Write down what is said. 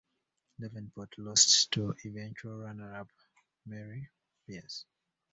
Davenport lost to eventual runner-up Mary Pierce.